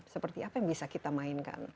seperti apa yang bisa kita mainkan